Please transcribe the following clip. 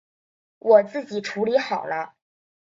我自己处理好了